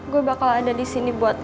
gue bakal ada di sini buat